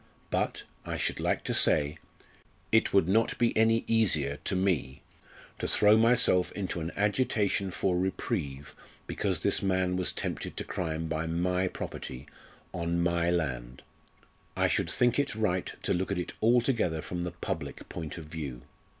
But I should like to say it would not be any easier to me to throw myself into an agitation for reprieve because this man was tempted to crime by my property on my land. I should think it right to look at it altogether from the public point of view.